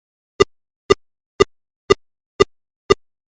No comparèixer ni en ombra ni en pols.